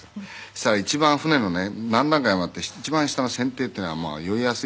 「そしたら一番船のね何段階もあって一番下の船底っていうのは酔いやすい所なんですけども」